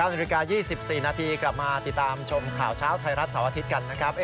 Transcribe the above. ๙น๒๔นกลับมาติดตามชมข่าวเช้าไทยรัฐสาวอาทิตย์กันนะครับ